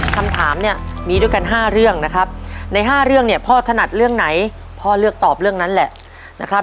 คำถามเนี่ยมีด้วยกัน๕เรื่องนะครับใน๕เรื่องเนี่ยพ่อถนัดเรื่องไหนพ่อเลือกตอบเรื่องนั้นแหละนะครับ